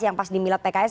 yang pas dimilat pks